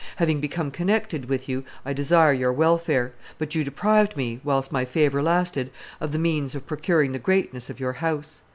Having become connected with you, I desire your welfare; but you deprived me, whilst my favor lasted, of the means of procuring the greatness of your house.